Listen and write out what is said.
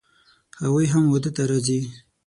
هغوی هم واده ته راځي